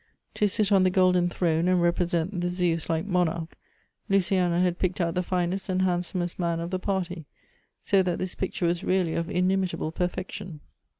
To sit on the golden throne and represent the Zeus like monarch, Luciana had picked out the finest and handsomest man of the party, so that this picture was really of inimitable perfection.